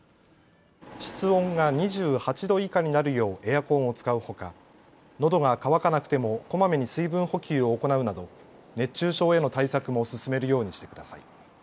室温が２８度以下になるようエアコンを使うほか、のどが渇かなくてもこまめに水分補給を行うなど熱中症への対策も進めるようにしてください。